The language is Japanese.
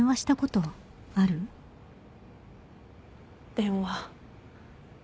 電話。